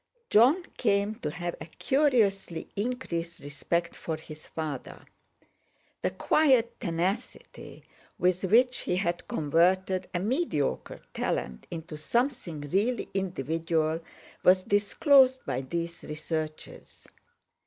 Jon came to have a curiously increased respect for his father. The quiet tenacity with which he had converted a mediocre talent into something really individual was disclosed by these researches.